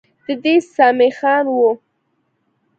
ددې سمي خان وه.